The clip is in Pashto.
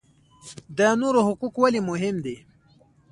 د نورو حقوق ولې مهم دي؟